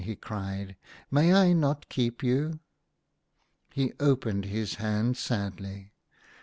he cried, "may I not keep you?" He opened his hands sadly.